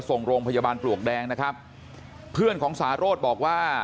ส่งโรงพยาบาลปลวกแดงนะครับเพื่อนของสาโรธบอกว่า